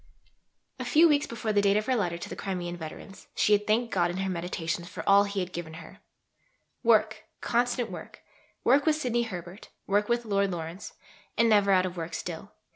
A few weeks before the date of her letter to the Crimean veterans, she had thanked God in her meditations for all he had given her "work, constant work, work with Sidney Herbert, work with Lord Lawrence, and never out of work still."